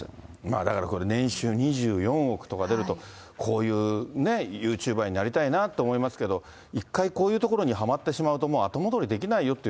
だから、これ、年収２４億とか出ると、こういうユーチューバーになりたいなと思いますけれども、一回、こういうところにはまってしまうと、もう後戻りできないよっていう